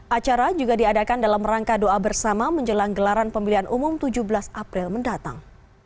acara juga diadakan dalam rangka doa bersama menjelang gelaran pemilihan umum tujuh belas april mendatang